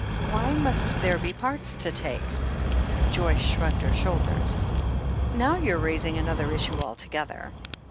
"Why must there be 'parts' to take ?" Joyce shrugged her shoulders. "Now you're raising another issue altogether."